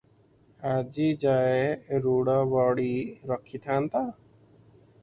ଆଜିଯାଏ ରୂଢ଼ ବଢ଼ି ରହିଥାନ୍ତା